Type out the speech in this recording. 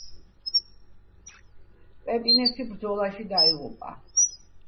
პეტინესი ბრძოლაში დაიღუპა.